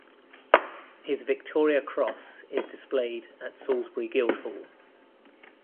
His Victoria Cross is displayed at Salisbury Guild Hall.